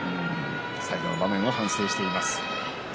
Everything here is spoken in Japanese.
最後の場面を反省しています。